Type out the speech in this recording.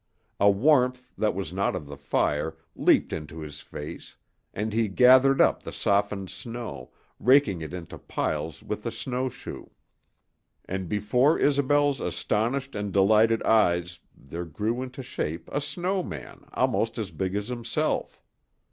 A warmth that was not of the fire leaped into his face, and he gathered up the softened snow, raking it into piles with a snow shoe; and before Isobel's astonished and delighted eyes there grew into shape a snow man almost as big as himself.